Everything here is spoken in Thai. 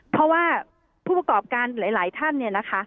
เพราะว่าผู้ประกอบการหลายท่านเนี่ยนะคะ